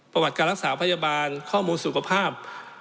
ประวัติการรักษาพยาบาลข้อมูลสุขภาพ